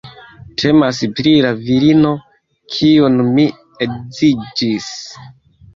Temas pri la virino kiun mi edziĝis